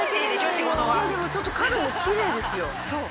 ちょっと角もきれいですよ。